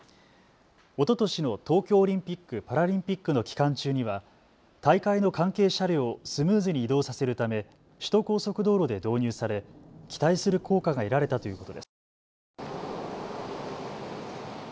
おととしの東京オリンピック・パラリンピックの期間中には大会の関係車両をスムーズに移動させるため首都高速道路で導入され期待する効果が得られたということです。